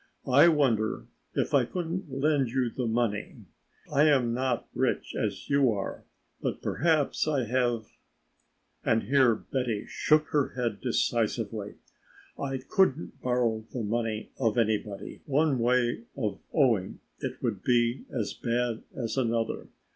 "I wonder if I couldn't lend you the money. I am not rich as you are, but perhaps I have " And here Betty shook her head decisively. "I couldn't borrow the money of anybody, one way of owing it would be as bad as another.